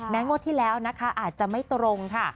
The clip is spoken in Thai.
งวดที่แล้วนะคะอาจจะไม่ตรงค่ะ